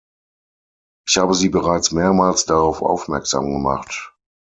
Ich habe Sie bereits mehrmals darauf aufmerksam gemacht.